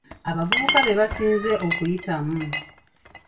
Abavubuka be basinze okuyitamu.